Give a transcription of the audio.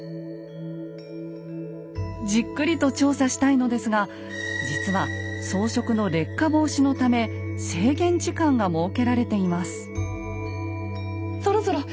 じっくりと調査したいのですが実は装飾の劣化防止のため制限時間が設けられています。